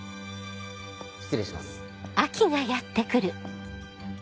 失礼します。